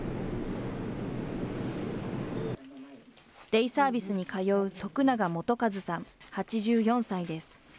デイサービスに通う徳永元一さん８４歳です。